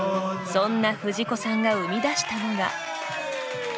そんな藤子さんが生みだしたのが。